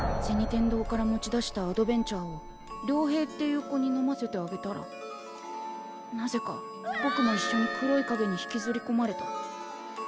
天堂から持ち出したアドベン茶を遼平っていう子に飲ませてあげたらなぜかぼくもいっしょに黒いかげに引きずりこまれた。